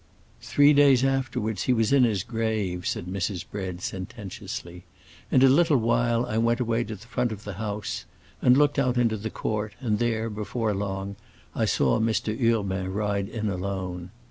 "Three days afterwards he was in his grave," said Mrs. Bread, sententiously. "In a little while I went away to the front of the house and looked out into the court, and there, before long, I saw Mr. Urbain ride in alone.